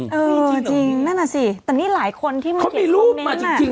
เออจริงนั่นน่ะสิแต่นี่หลายคนที่เขามีรูปนั้นน่ะจริง